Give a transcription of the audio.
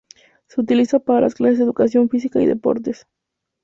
Se utiliza para las clases de Educación Física y Deportes.